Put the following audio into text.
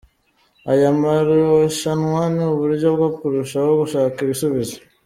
Aya maruashanwa ni uburyo bwo kurushaho gushaka ibisubizo.